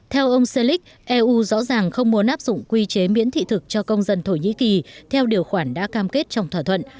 theo ông selic eu rõ ràng không muốn áp dụng quy chế miễn thị thực cho công dân thổ nhĩ kỳ theo điều khoản đã cam kết trong thỏa thuận